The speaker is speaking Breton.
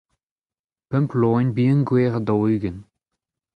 pemp loen bihan gwer ha daou-ugent.